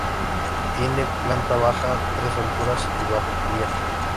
Tiene planta baja, tres alturas y bajocubierta.